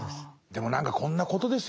でも何かこんなことですよね。